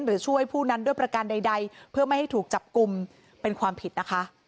ช่วยผู้นั้นด้วยประการใดเพื่อไม่ให้ถูกจับกลุ่มเป็นความผิดนะคะ